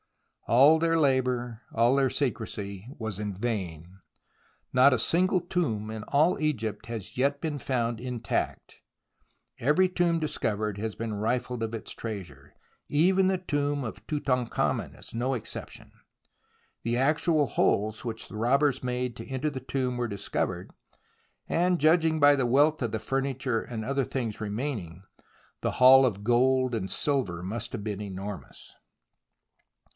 All their labour, all their secrecy, was in vain. Not a single tomb in all Egypt has yet been found intact. Every tomb discovered has been rifled of its treasure. Even the tomb of Tutankhamen is no exception. The actual holes which the robbers made to enter the tomb were discovered, and, judging by the wealth of the furniture and other things remaining, the haul of gold and silver must have been enormous.